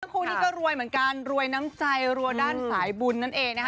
คู่นี้ก็รวยเหมือนกันรวยน้ำใจรัวด้านสายบุญนั่นเองนะคะ